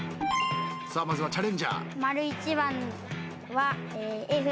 さあまずはチャレンジャー。